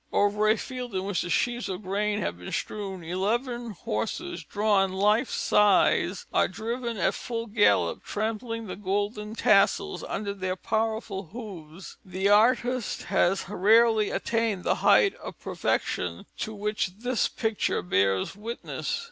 Over a field in which the sheaves of grain have been strewn, eleven horses, drawn life size, are driven at full gallop, trampling the golden tassels under their powerful hoofs. The artist has rarely attained the height of perfection to which this picture bears witness.